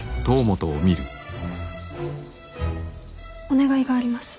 お願いがあります。